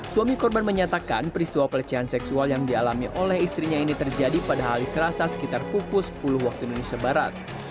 suami korban menyatakan peristiwa pelecehan seksual yang dialami oleh istrinya ini terjadi pada hari selasa sekitar pukul sepuluh waktu indonesia barat